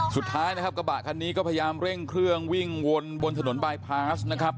สุดท้ายนะครับกระบะคันนี้ก็พยายามเร่งเครื่องวิ่งวนบนถนนบายพาสนะครับ